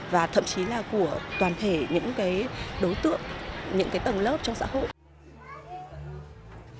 và thậm chí là của toàn thể những đối tượng những tầng lớp trong xã hội